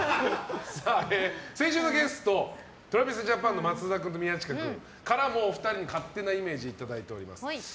先週のゲストＴｒａｖｉｓＪａｐａｎの松田君と宮近君からもお二人の勝手なイメージいただいております。